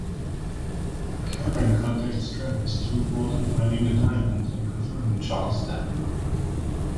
Karen contacts Travis to report on finding the diamond and confirming Charles' death.